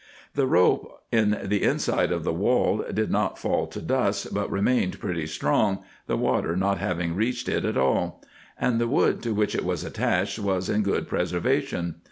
The rope in the inside of the wall did not fall to dust, but remained pretty strong, the water not having reached it at all ; and the wood to which it was attached was in good preservation.